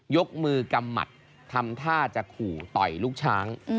ยกมือกำหมัดทำท่าจะขู่ต่อยลูกช้าง